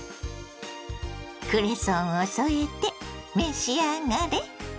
クレソンを添えて召し上がれ。